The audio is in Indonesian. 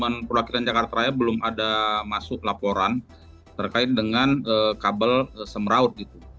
dari perwakilan jakarta raya belum ada masuk laporan terkait dengan kabel semraut gitu